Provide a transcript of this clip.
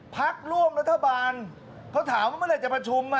พักร่วมรัฐบาลเขาถามว่าเมื่อไหร่จะประชุม